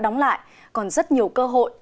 đóng lại còn rất nhiều cơ hội